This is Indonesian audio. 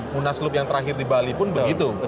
munaslup yang terakhir di bali pun begitu